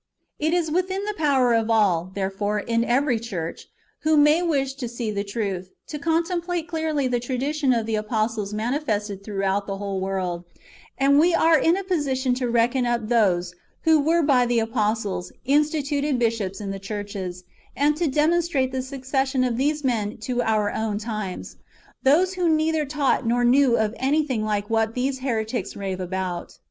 It is within the power of all, therefore, in every church, who may wish to see the truth, to contemplate clearly the tradi tion of the apostles manifested throughout the whole world ; and we are in a position to reckon up those who were by the apostles instituted bishops in the churches, and [to demon strate] the successions of these men to our own times ; those who neither taught nor knew of anything like what these Book hi.] IREN^US AGAINST HERESIES. 261 [heretics] rave about.